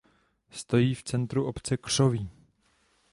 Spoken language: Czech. Stojí v centru obce Křoví.